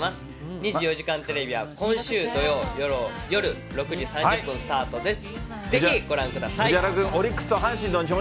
２４時間テレビは今週土曜夜６時３０分スタートです。